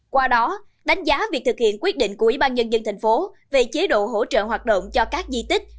qua đó đánh giá việc thực hiện quyết định của ủy ban nhân dân thành phố về chế độ hỗ trợ hoạt động cho các di tích